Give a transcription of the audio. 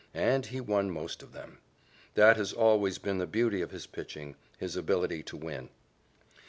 And he won most of them. That has always been the beauty of his pitching his ability to win.